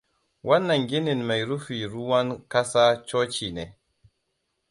Wannan ginin mai rufi ruwan ƙasa coci ne.